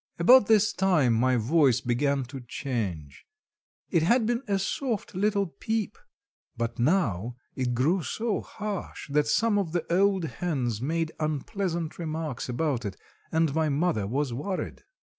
About this time, my voice began to change. It had been a soft little "peep," but now it grew so harsh, that some of the old hens made unpleasant remarks about it, and my mother was worried.